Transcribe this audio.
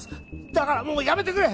だからもうやめてくれ！